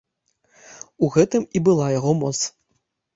У гэтым і была яго моц.